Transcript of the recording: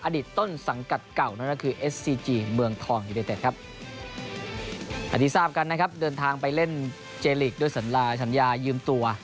เดินทางไปเล่นเจลีคด้วยสัญลาชันยายืมตัว